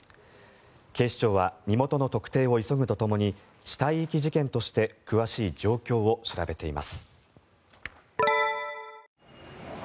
警視庁は身元の特定を急ぐとともに死体遺棄事件として詳しい状況を調べています。